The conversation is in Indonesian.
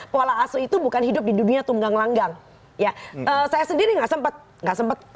pola asu itu bukan hidup di dunia tunggang langgang ya saya sendiri nggak sempat nggak sempat